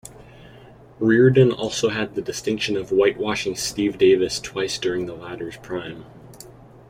Reardon also had the distinction of whitewashing Steve Davis twice during the latter's prime.